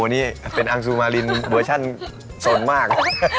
นี่เป็นอังซูมารินเวอร์ชั่นสนมาก